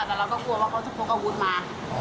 แต่เราก็กลัวว่าเขาจะพกอาวุธมา